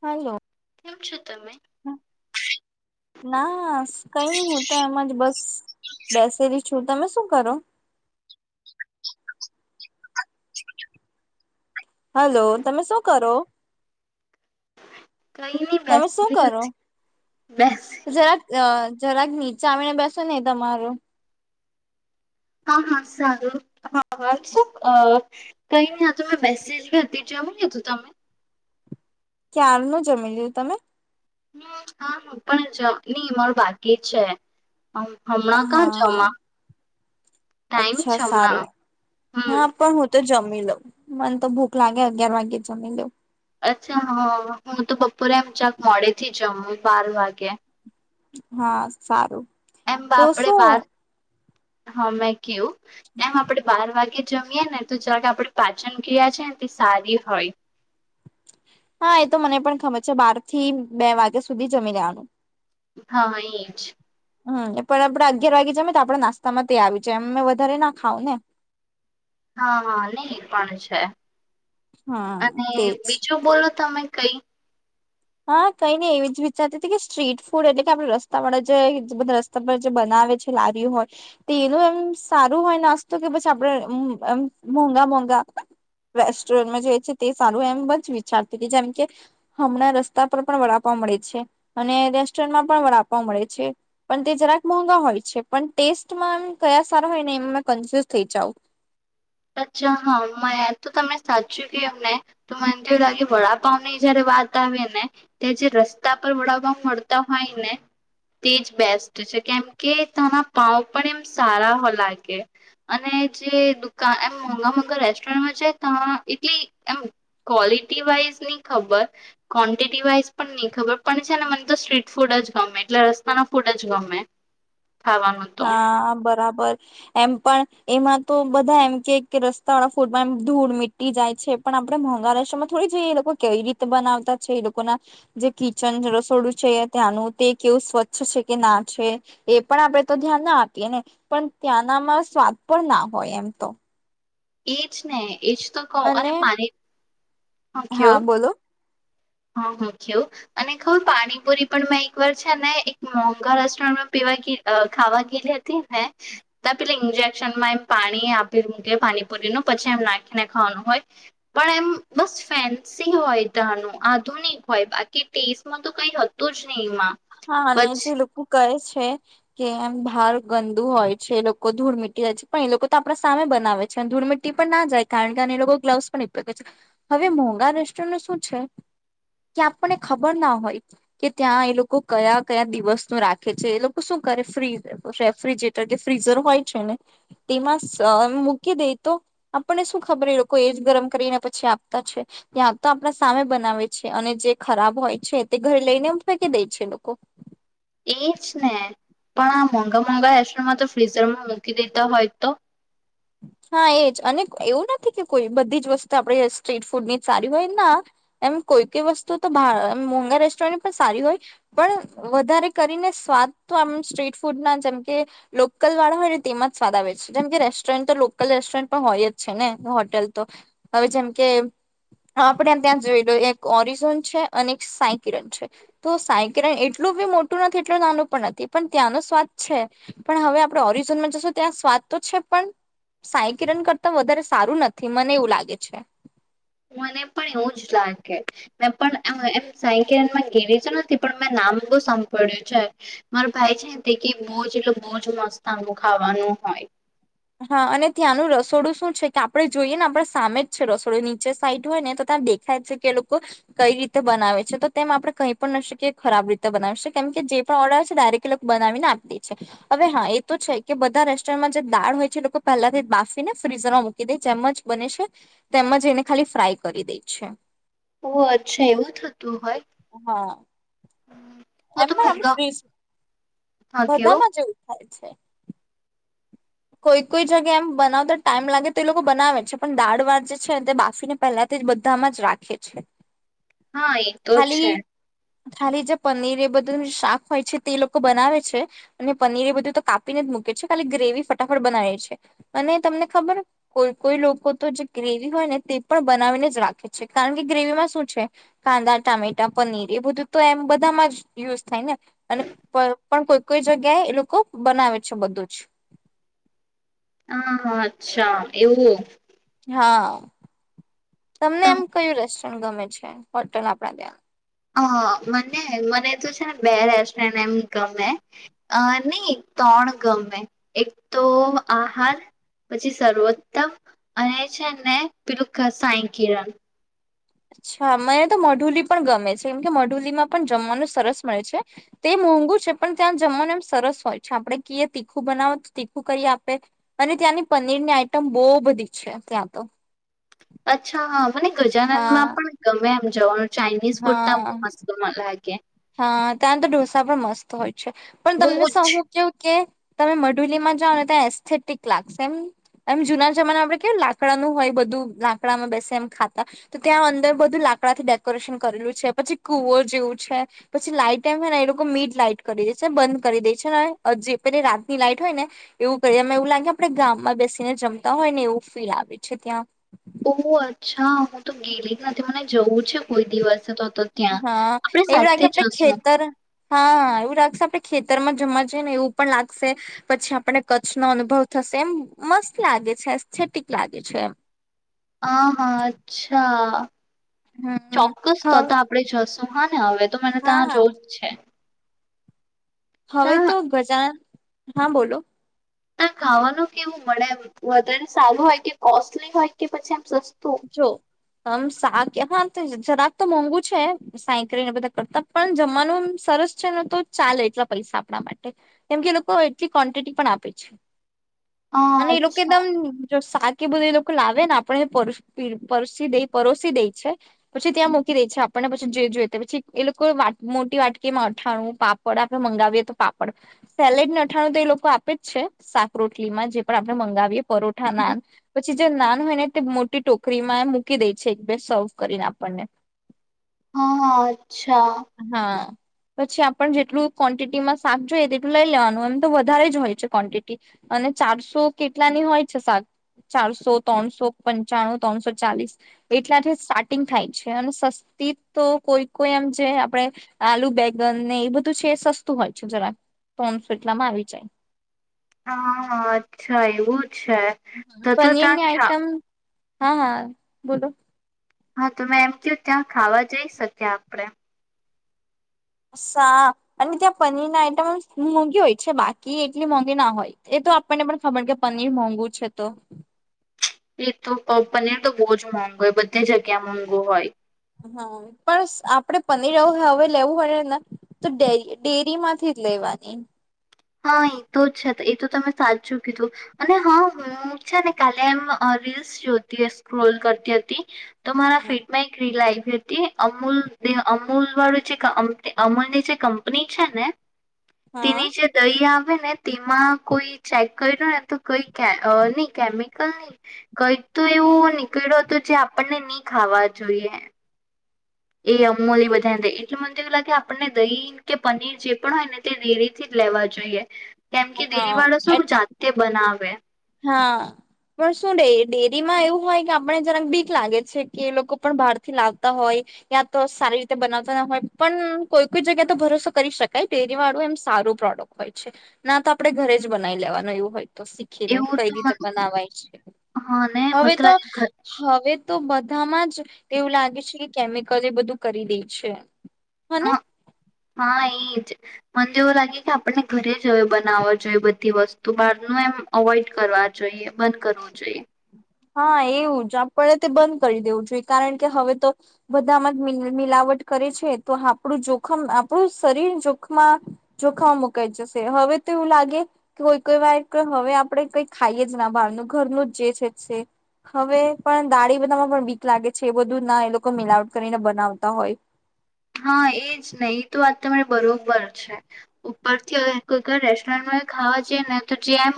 હાલો. કેમ છો તમે ના, નાસ કઈ નહી હોતા એમાં જ બસ બેસેલી છું તમે શું કરો? હલો તમે શું કરો? કઈ નસ તમે શું કરો બેસેલી [inaudible] બસ. જરાક જરાક નીચે આવીને બેસો ને તમારું હા હા સારું હા વા શુ અ કઈ નહી આ તો બેસેલી હતી. જમી લીધું તમે? ક્યારનું જમી લિયુ. તમે? હમ્મ, હા હું પણ જો, નહી મારું બાકી છે. હમ-હમણાં કા હા જમવા? અચ્છા સારું. હમ હા પણ હું તો જમી લવ. મને તો ભૂખ લાગે અગિયાર વાગ્યે જ જમી લેઉં. અચ્છા હા હું તો બપોરે એમ છેક મોડે થી જમું બાર વાગે. હા સારું. એમ તો બાપડે શું બાર હા મેં કેયુ એમ આપડે બાર વાગે જમીએ ને તો જેટ આપણી પાચન ક્રિયા છે ને તે સારી હોય. હા, એ તો મને પણ ખબર છે બાર થી બે વાગ્યા સુધી જમી લેવાનું. હા એજ. હમ્મ. પણ આપડે અગિયાર વાગે જમે તો આપડા નાસ્તા માં તે આવી જાય વધારે ના ખાવં ને. હા હા નઈ પણ છે. હા અને તેજ બીજું બોલો તમે? કઈ? હા કઈને એવી જ વિચારતી હતી કે સ્ટ્રીટ ફૂડ એટલે કે આપણે રસ્તા વાળા જે રસ્તા પર જે બનાવે છે લારી હોય તે એનું એમ સારું હોય નાસ્તો કે પછી આપણે અમ્મ એમ મોંઘા મોંઘા રેસ્ટોરન્ટમાં જે છે તે સારું એમ જ વિચારતી હતી જેમ કે હમણાં રસ તા પર પણ વડાપાઉં મળે છે અને રેસ્ટોરન્ટમાં પણ વડાપાઉ મળે છે પણ તે જરાક મોંગા હોય છે. પણ ટેસ્ટમાં કયા સારા હોય ને એમાં કન્ફ્યુઝ થઈ જાઉં. અચ્છા હા મેં તો તને સાચ્યું કે એમને તો મને તો એવું લાગે વડાપાવ ની જયારે વાત આવે ને તે જે રસ્તા પર વડાપાવ મળતા હોય ને તે જ બેસ્ટ છે. કેમ કે તના પાવ પણ એમ સારા લાગે અને જે દુ કા એમ મોઘા મોંઘા રેસ્ટોરન્ટમાં જાય તો એટલી એમ ક્વોલિટી વાઈઝ નહી ખબર ક્વોન્ટિટી વાઈઝ પણ નહી ખબર પણ છે ને મને તો સ્ટ્રીટ ફૂડ જ ગમે, એટલે રસ્તાના ફૂડ જ ગમે ખાવાનું તો હા, બરાબર. એમ પણ એમાં તો બધા એમ કે કે રસ્તા વાળા ફૂટમાં એમ ધૂળ મીટી જાય છે પણ આપડે મોંઘા રેસ્ટોરન્ટમાં થોડી જોઈએ એ લોકો કેવી રીતે બનાવતા છે એ લોકો ના જે કિચન રસોડું છે ત્યાંનું તે કેવું સ્વચ્છ છે કે ના છે એ પણ આપણે તો ધ્યાન ના આપીએ ને પણ ત્યાંનામાં સ્વાદ પણ ના હોય એમ તો. એજ ને એજ. તો કઉ અને પાણી હા મૂક્યું બોલો. હા હું થ્યું અને ખબર પાણીપુરી પણ મેં એક વાર છે ને એક મોંઘા રેસ્ટોરન્ટમાં પીવા અ ખાવા ગેલી હતી ને ત પે ઇન્જેક્શનમાં એમ પાણી આપી મૂકે પાણીપુરીનું પછી એમ નાખીને ખાવાનું હોય પણ એમ બસ ફેન્સી હોય તાનુ આ તું નહી હોય બાકી ટેસ્ટમાં તો કઈ હતું જ નહીં એમાં. હા અને જે પછી લોકો કહે છ છે કે એમ ભાર ગંદુ હોય છે એ લોકો ધૂળ મીટી જાય પણ એ લોકો તો આપણા સામે બનાવે છે અને ધૂળ મીટી પણ ના જાય કારણ કે એ લોકો ગ્લવસ પણ [unintelligible] છે હવે મોંઘા રેસ્ટોરન્ટ શું છે કે આપણને ખબર ના હોય કે ત્યાં એ લોકો કયા કયા દિવસ નું રાખે છે એ લોકો શું કરે ફ્રી રેફ્રિજરેટર કે ફ્રીઝર હોય છે ને તેમાં સ અ મૂકી દે તો આપણને શું ખબર એ લોકો એ જ ગરમ કરીને પછી આપતા છે ત્યાં તો આપણા સામે બનાવે છે અને જે ખરાબ હોય છે તે ઘરે લઈને ફેંકી દે છે લોકો. [unintelligible] એજ ને પણ આ મોંઘા મોંઘા રેસરનમાં તો ફ્રીઝરમાં મૂકી દેતા હોય તો. હા એજ અને એવું નથી કે કોઈ બધી જ વસ્તુ આપણે સ્ટ્રીટ ફૂડ ની સારી હોય ના એમ કોઈ કોઈ વસ્તુ તોભા મોંઘા રેસ્ટોરન્ટની પણ સારી હોય પણ વધારે કરીને સ્વાદ તો આમ સ્ટ્રીટ ફૂડ ના જેમ કે લોકલ વાળા હોય ને તેમાં જ સ્વાદ આવે છે જેમકે રસ્ટ રન્ટ તો લોકલ રેસ્ટોરન્ટ પણ હોય જ છે ને હોટેલ તો હવે જેમ કે આપણેે ત્યાં જોઈ લો એક ઓરિઝોન છે અને એક સાયકિરન છે તો સાયકિરન એટલું બી મોટું નથી એટલ નાનું પણ નથી પણ ત્યાંનો સ્વાદ છે પણ હવે આપણે ઓરિઝોનમાં જશું ત્યાં સ્વાદ તો છે પણ સાયકિરણ કરતા વધારે સારું નથી મને એવું લાગે છે. મને પણ એવું જ લાગે મે પણ આમ એમ સાંઈકિરણમાં ગીવીતો નથી પણ મેં નામ બહુ સાંભળ્યું છે મારા ભાઈ છે તે કે બઉ જ એટલે બઉ જ મસ્ત આંબુ ખાવાનું હોય. હા અને ત્યાંનું રસોડું શું છે કે આપડે જોઈએ ને આપણે સામે જ છે રસોડું નીચે સાઈટ હોય ને તો ત્યાં દેખાય જ છે કે એ લોકો કઈ રીતે બનાવે છે તો તેમ આપડે કઈ પણ ન શકીએ ખરાબ રીતે બનાવી શકીએ કેમ કે જે પણ ઓર્ડર છે ડાયરેક્ટ એ લોકો બનાવીને આપી દે છે હવે હા એ તો છે કે બધા રેસ્ટોરન્ટમાં જે દાળ હોય જે લોકો પહેલાથી બાફીને ફ્રીઝરમાં મૂકી દે જેમ જ બને છે તેમજ એને ખાલી ફ્રાય કરી દે છે. ઓ અચ્છા એવું થતું હોય. હા. હું એમ તો પણ આપડે મોગા ફ્રીઝ હા કેવું બધામાં જેવું થાય. છે. કોઈ કોઈ જગ્યા એમ બનાવતા ટાઈમ લાગે તો એ લોકો બનાવે છે પણ દાળ વાળ જે છે ને તે બાફીને પહેલાથી બધામાં જ રાખે છે. હા એતો છે. ખાલી ખાલી જે પનીર એ બધું શાક હોય છે તે એ લોકો બનાવે છે અને પનીર એ બધું તો કાપીને જ મૂકે છે ખાલી ગ્રેવી ફટ ફટાફટ બનાવે છે અને તમને ખબર કોઈ કોઈ લોકો તો જે ગ્રેવી હોય ને તે પણ બનાવીને જ રાખે છે કારણ કે ગ્રેવીમાં શું છે કાંદા ટામેટા પનીર એ બધું તો એમ બધામાં જ યુઝ થાય ને અને પર પણ કોઈ કોઈ જગ્યાએ એ લોકો બનાવે છે બધુંજ. અહ અચ્છા એવું. હા. તમને તમ એમ કયું રહ ગમે છે હોટલ આપડા ત્યાં? અ મને મને તો છે ને બે રસ્ટને એમ ગમે અ નહી ત્રણ ગમે એક તો આહાર પછી સર્વોત્તમ અને છે ને પેલું સાય કિરણ. અચ્છા મને તો મઢુલી પણ ગમે છે કેમ કે મઢુલીમાં પણ જમવાનું સરસ મળે છે તે મોંઘુ છે પણ ત્યાં જમવાનું એમ સરસ હોય છે આપણે કએ તીખું બનાવો તો તીખું કરી આપે અને ત્યાંની પનીરની આઈટમ બહુ બધી છે ત્યાં તો. અચ્છા હા. મને ગજાનન હા માં પણ ગમે એમ. જવાન ચાઇનીઝ ફૂડ તો હા મસ્ત મ લાગે હા ત તો ડઢોસા પણ મસ્ત હોય. છ પણ તમને બહુ સું જ હુ કેવું કે તમે મઢુલીમાં જાઓ ને ત્યાં એસ્થેટિક લાગશે એમ એમ જુના જમાના આપડે કે લાકડાનું હોય બધું લાકડામાં બેસે એમ ખાતા તો ત્યાં અંદર બધું લાકડા થી ડેકોરેશન કરેલું છે પછી કુવર જેવું છે. પછી લાઈટ એમ હોય ને એ લોકો મીડ લાઈટ કરી દે છે બંધ કરી દે છે ને જે પે રાતની લાઈટ હોય ને એવું કરી દે એવું લાગે આપણે ગામમાં બેસીને જમતા હોય ને એવું ફીલ આવે છે ત્યાં. હા હું તો ગેલી જ નથી મને જવું છે કોઈ દિવસે તો. તો ત્યાં હા આપણે એવી લાગે સાથે આપડે જશું ખેતર હા એવું લાગશે આપણે ખેતરમાં જમા જઈએ ને એવું પણ લાગશે પછી આપને કચ્છનો અનુભવ થશે એમ મસ્ત લાગે છે એસથેટિક લાગે છે એમ હા હા અચ્છા હમ ચોક્કસ તો હા ત આપડે જશ હા ને હવે તો મને ત્યા હા જોવું જ છે. હવે તો ત્યાં ગજાન હા બોલો તા ખાવાનું કેવું મળે એમ વધતારે સારું હોય કે કોસ્ટલી હોય કે પછી એમ સસ જો અમ શાક હાત જ જરાબ તો મોંઘું છે સાંયકને બધા કરતા પણ જમવાનું સરસ છે ને તો ચાલે એટલા પૈસા આપણા માટે કેમ કે લોકો એટલી ક્વોન્ટિટી પણ આપે છે. હા અને એ અચ્છા લોકોદમ કેદમ જો શાક કે બધું એ લોકો લાવેને આપણે પરી દે પરોશી દે છે પછી ત્યાં મૂકી દે છે આપણને પછી જે જોઈએ પછી એ લોકો મોટી વાટકીમાં અથાણું પાપડ આપણે મંગાવીએ તો પાપડ સેલેડ ને અથાણું તો એ લોકો આપે જ છે શાક રોટલીમાં જે પણ આપણે મંગાવીએ પરોઠા નાન પછી જો નાન હોય ને તે મોટી ટોક ક્રીમા એ મૂકી દે છે એક બેર સર્વ કરીને આપણને હા હ અચ્છા હા પછી આપણે જેટલું ક્વોન્ટિટીમાં શાક જોઈએ તેટલું લઈ લેવાનું એમ તો વધારે જ હોય છે ક્વોન્ટિટી અને ચારસો કેટલાની હોય છે શાક ચારસો ત્રણસો પંચાણું ત્રણસો ચાલીસ એટલાથી સ્ટાર્ટિંગ થાય છે અને સસ્તી તો કોઈ કોઈ એમ જે આપણે આલુ બેગન ને એ બધું છે એ સસ્તું હોય છે જરા ત્રણસો એટલામાં આવી જાય હા હા અચ્છા એવું અચ્છા ત જાય તો તા પનીરની આઈટમ હા હા બોલો હા તોં એમ કુ ત્યાં ખાવા જઈ શકીયા આપડે સા અને ત્યાં પનીર ના આઈટમ મોંઘી હોય છે બાકી એટલી મોંઘી ના હોય એ તો આપણને પણ ખબર કે પનીર મોંઘું છે તો એક તો અ પનીર તો બો જ મોંઘું હોય બધી જગ્યા મોંઘું હોય હા પણ આપડે પનીર હવે લેવું પડેને તો ડે ડેરી માંથી જ લેવાની હા એ તો છે એ તો તમે સાચું કીધું અને હા હું છે ને કાલે એમ રીલ્સ જોતી સ્ક્રોલ કરતી હતી તો મારા હા. ફિટમા એક રિલ આ હતી અમૂલ અમૂલ વાળું જે અમૂલની જે કંપની છે ને તેની જે આવે ને તેમાં કોઈ ચેક કર્યો ને તો કઈ ની કેમિકલ ની કઈક તો એવુ નીકળ્યો હતો જે આપણને ની ખાવા જોઈએ એ અમુલ એ બધાને એટલે મને એવુ લાગે આપણને દહીં કે પનીર જે પણ હોયને તે ઘેરેથી લેવા જોઈએ. કેમ કે દેરી હા વાળો સુ એ જાતે બનાવે હા પણ શું ડે ડેરીમાં એવું હોય કે આપણે જરાક બીક લાગે છે કે લોકો પણ બહારથી લાવતા હોય યા તો સારી રીતે બનાવતા હોય પણ કોઈ કોઈ જગ્યા તો ભરોસો કરી શકાય ડેરી વાળું એમ સારું પ્રોડક્ટ હોય છે ના તો આપડે ઘરે જ બનાવી લેવાનું એવું હોય તો ખીને એવું કઈ તો રીતે મન બનાવાય છે હા ને મને હવે તો લાગે ઘરથી હવે તો બધામાં જ એવું લાગે છે. કેમિકલ એ બધું કરી દે છે. હા હા એ જ મને તો એવું લાગે કે આપને ઘરે જ બનાવો જોઈએ બ ધી વસ્તુ બાર નુ એમ અવોઈડ કરવા જોઈએ બંધ કરવું જોઈએ હા એવું જ આપણે તે બંધ કરી દેવું જોઈએ કારણ કે હવે તો બધામાં જ મિ મિલાવટ કરે છે તો આપણું જોખમ આપણું શરીર જોખમાં જોખમ મુકાઈ જશે હવે તો એવું લાગે કે કોઈ કોઈ વાર હવે આપણે કઈ ખાઈએ જ ના બહારનું ઘરનું જ જે છે. છે હવે પણ દાળી બનાવા પણ બીક લાગે છે એ બધું ના એ લોકો મિલાવટ કરી ને બનાવતા હોય હા એજ ને ઈ તો વાત તમારી બરોબર છે ઉપર થી અવે કોઈ કોઈક રેસ્ટોરન્ટમાં ખાવા જઈએ ને તો જેમ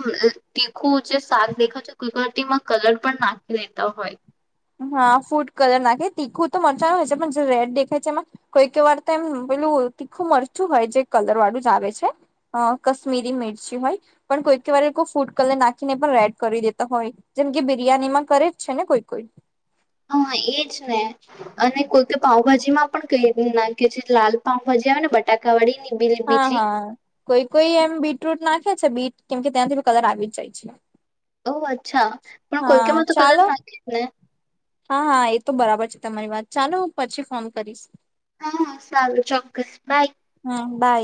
તીખું જે શાક દેખાતતું છે કોઈ કોઈ વાર તેમાં કલર પણ નાખી દેતા હોય હા ફૂડ કલર નાખે તીખું તો મરચા હોય છે પણ જે રેડ દેખાય છે એમાં કોઈ કોઈ વાર તો એમ પેલું તીખું મરચું હોય જે કલર વાળું જ આવે છે અ કશ્મીરી મિરચી હોય પણ કોઈ કોઈ વાર એ લોકો ફૂડ કલર નાખીને પણ રેડ કરી દેતા હોય જેમ કે બિરિયાનીમાં કરે જ છે ને કોઈ કોઈ હા એજ ને અને કો પાઉભાજી માં પણ કઈ ને નાંખે છે જે લાલ પાઉભાજી આવે છે ને બટાકા વાળી ની બી હા બીજી હા કોઈ કોઈ એમ બી ટુટ નાખે છે બીટ કેમ કે ત્યાંથી કલર આવી જાય છે. ઓ અચ્છા પણ કોઈ કોઈ હા માં તો કલર ચાલો નાખે ને હા હા એ તો બરાબર છે તમારી વાત ચાલો હું પછી ફોન કરીશ હા હા સારું ચોક્કસ બાય હા બાય